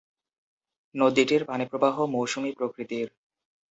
নদীটির পানিপ্রবাহ মৌসুমি প্রকৃতির।